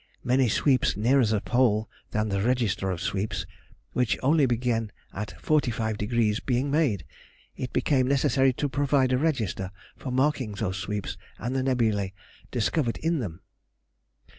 Many sweeps nearer the Pole than the register of sweeps, which only began at 45°, being made, it became necessary to provide a register for marking those sweeps and the nebulæ discovered in them.